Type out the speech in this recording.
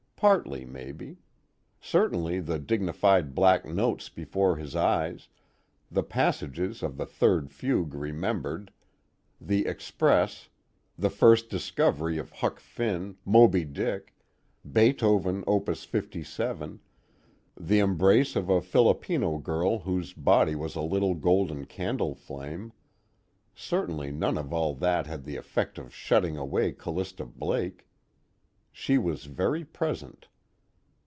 Partly, maybe. Certainly the dignified black notes before his eyes, the passages of the third Fugue remembered, The Express, the first discovery of Huck Finn, Moby Dick, Beethoven Opus 57, the embrace of a Filipino girl whose body was a little golden candle flame certainly none of all that had the effect of shutting away Callista Blake. She was very present.